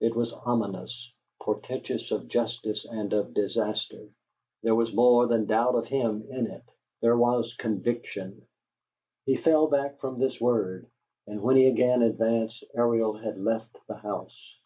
It was ominous, portentous of justice and of disaster. There was more than doubt of him in it: there was conviction. He fell back from this word; and when he again advanced, Ariel had left the house.